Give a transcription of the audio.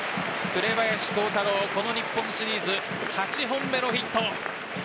紅林弘太郎、この日本シリーズ８本目のヒット。